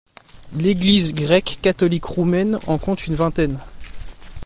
L'Église grecque-catholique roumaine en compte une vingtaine.